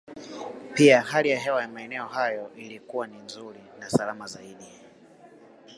Pia hali ya hewa ya maeneo hayo inakuwa ni nzuri na salama zaidi